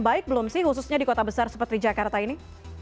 baik belum sih khususnya di kota besar seperti jakarta ini